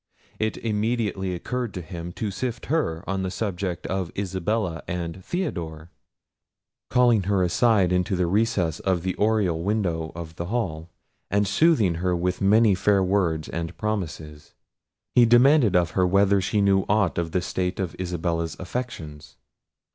It immediately occurred to him to sift her on the subject of Isabella and Theodore. Calling her aside into the recess of the oriel window of the hall, and soothing her with many fair words and promises, he demanded of her whether she knew aught of the state of Isabella's affections.